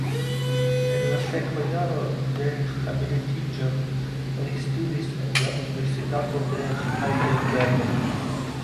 En la sekva jaro de habilitiĝo li studis en la Universitato de Hajdelbergo.